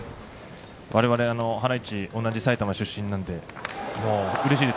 われわれ、ハライチ同じ埼玉出身なのでうれしいです。